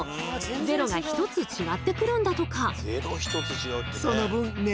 ゼロが１つ違ってくるんだとか。